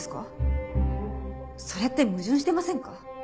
それって矛盾してませんか？